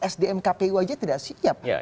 sdm kpu aja tidak siap pak haidar